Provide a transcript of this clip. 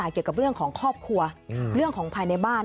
คือไม่แนะนำ